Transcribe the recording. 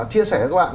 chia sẻ với các bạn